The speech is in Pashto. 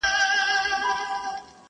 د تېر کال ګیلې به نه کو لالیه.